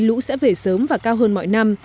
lũ sẽ về sớm và cao hơn mọi năm